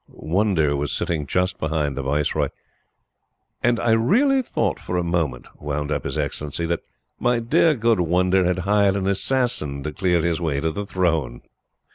Wonder was sitting just behind the Viceroy. "And I really thought for a moment," wound up His Excellency, "that my dear, good Wonder had hired an assassin to clear his way to the throne!"